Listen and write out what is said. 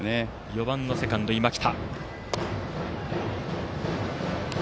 ４番のセカンド、今北。